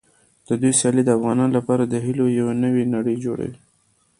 د دوی سیالۍ د افغانانو لپاره د هیلو یوه نوې نړۍ جوړوي.